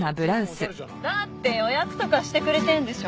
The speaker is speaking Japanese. だって予約とかしてくれてるんでしょ？